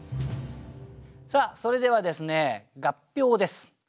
それではですね合評です。